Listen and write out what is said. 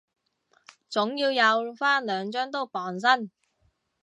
總要有返兩張刀傍身